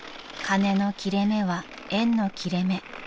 ［金の切れ目は縁の切れ目］